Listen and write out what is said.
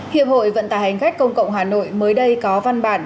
hiệp hội vận tài hành khách công cộng hà nội mới đây có văn bản